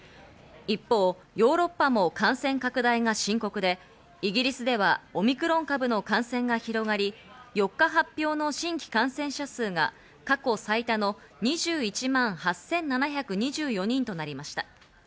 一方、ヨーロッパも感染拡大が深刻で、イギリスではオミクロン株の感染が広がり、４日発表の新規感染者数が過去最多の２１万８７２４人となりました。